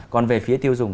còn về phía tiêu dùng